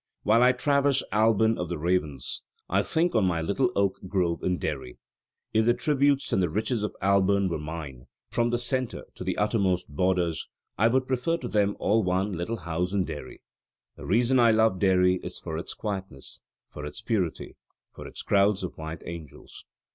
"While I traverse Alban of the ravens, I think on my little oak grove in Derry. If the tributes and the riches of Alban were mine, from the centre to the uttermost borders, I would prefer to them all one little house in Derry. The reason I love Derry is for its quietness, for its purity, for its crowds of white angels.